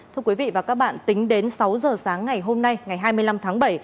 thưa quý vị và các bạn tính đến sáu giờ sáng ngày hôm nay ngày hai mươi năm tháng bảy